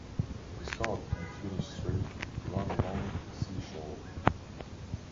The start and finish straight ran along the sea shore.